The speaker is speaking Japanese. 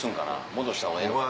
戻した方がええのかな？